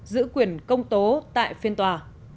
giữ quyền công tố tại phiên tòa